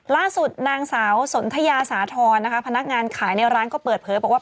ล่าสุดนางสาวสนทยาสาธรณ์นะคะพนักงานขายในร้านก็เปิดเผยบอกว่า